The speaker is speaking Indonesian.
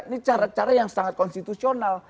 ini cara cara yang sangat konstitusional